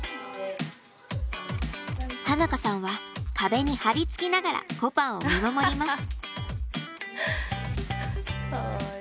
花香さんは壁に張り付きながらこぱんを見守ります。